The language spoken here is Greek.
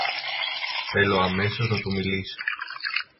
Θέλω αμέσως να του μιλήσω!